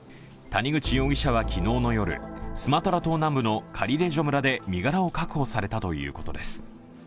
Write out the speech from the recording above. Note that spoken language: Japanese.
谷口容疑者は昨日の夜スマトラ島南部のカリレジョ村で身柄を確保されたということです。